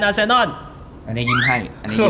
อันนี้ยิ้มไข้